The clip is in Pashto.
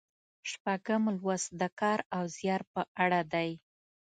شپږم لوست د کار او زیار په اړه دی.